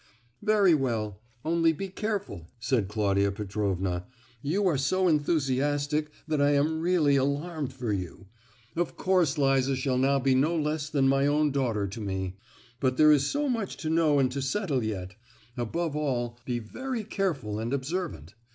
"Very well; only be careful!" said Claudia Petrovna. "You are so enthusiastic that I am really alarmed for you! Of course Liza shall now be no less than my own daughter to me; but there is so much to know and to settle yet! Above all, be very careful and observant!